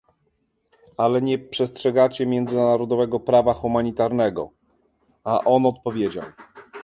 "Ale nie przestrzegacie międzynarodowego prawa humanitarnego", a on odpowiedział